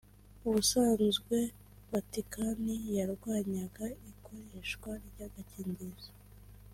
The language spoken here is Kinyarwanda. ubusanzwe Vatikani yarwanyaga ikoreshwa ry’agakingirizo